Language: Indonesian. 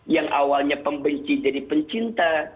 yang awalnya pembenci jadi pencinta